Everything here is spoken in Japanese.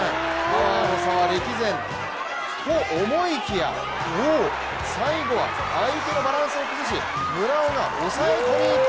パワーの差は歴然と思いきや最後は相手のバランスを崩し村尾が抑え込み。